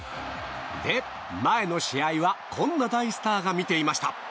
前の試合はこんな大スターが見ていました。